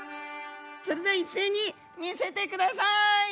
それでは一斉に見せてください！